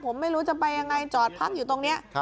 ผมไม่รู้จะไปยังไงจอดพักอยู่ตรงนี้